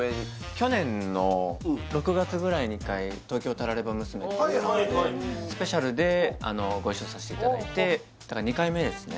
去年の６月ぐらいに一回「東京タラレバ娘」っていうドラマではいはいはいスペシャルでご一緒させていただいてだから２回目ですね